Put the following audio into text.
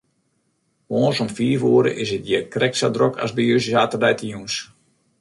Moarns om fiif oere is it hjir krekt sa drok as by ús saterdeitejûns.